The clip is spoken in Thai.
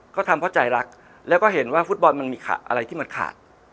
เขาทำเพราะใจรักแล้วก็เห็นว่าฟุตบอลมันมีอะไรที่มันขาด